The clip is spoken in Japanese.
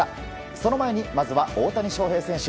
その前に、大谷翔平選手。